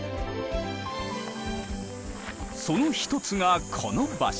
その一つがこの場所。